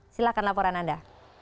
silahkan laporan anda